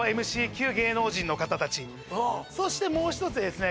ＭＣ級芸能人の方たちそしてもう一つですね